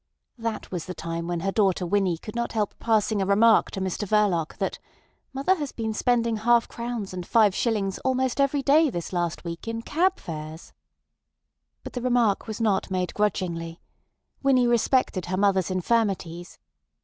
That was the time when her daughter Winnie could not help passing a remark to Mr Verloc that "mother has been spending half crowns and five shillings almost every day this last week in cab fares." But the remark was not made grudgingly. Winnie respected her mother's infirmities.